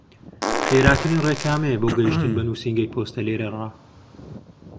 خێراترین ڕێ کامەیە بۆ گەیشتن بە نووسینگەی پۆستە لێرەڕا؟